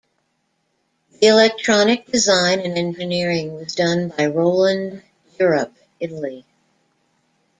The electronic design and engineering was done by Roland Europe, Italy.